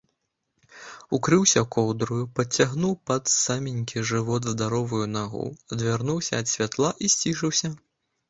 Укрыўся коўдраю, падцягнуў пад саменькі жывот здаровую нагу, адвярнуўся ад святла і сцішыўся.